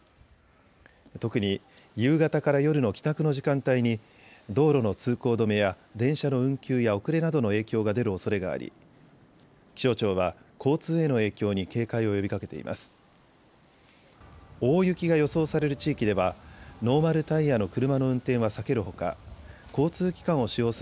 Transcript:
特に夕方から夜の帰宅の時間帯に道路の通行止めや電車の運休や遅れなどの影響が出るおそれがあり気象庁は交通への影響に警戒を呼びかけています。